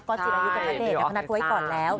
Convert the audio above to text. กอจิรัยุกับนาเหดก็นัดไว้ก่อนแล้ว